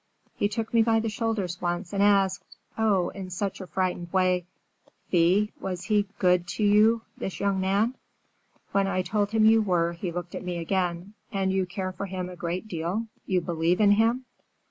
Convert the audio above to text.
"He took me by the shoulders once and asked, oh, in such a frightened way, 'Thea, was he good to you, this young man?' When I told him you were, he looked at me again: 'And you care for him a great deal, you believe in him?